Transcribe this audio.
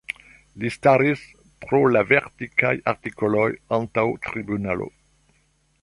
Li staris pro la verkitaj artikoloj antaŭ tribunalo.